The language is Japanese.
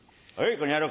この野郎！